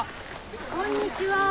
こんにちは。